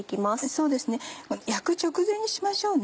そうですね焼く直前にしましょうね。